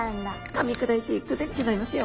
かみ砕いていくでギョざいますよ。